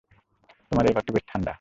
তোমার এই ঘরটি বেশ ঠাণ্ডা।